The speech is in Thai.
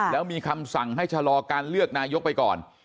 แล้วมีคำสั่งให้ชะลอการเลือกนายกไปก่อน